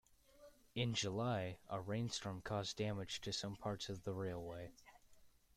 In July, a rain storm caused damage to some parts of the railway.